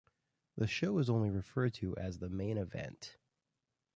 The show was only referred to as The Main Event.